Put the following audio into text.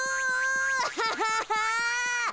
アハハハ。